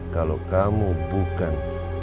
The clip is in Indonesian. kalau kamu bukan